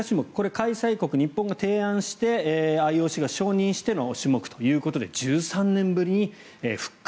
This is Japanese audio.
開催国、日本が提案してＩＯＣが承認しての種目ということで１３年ぶりに復活。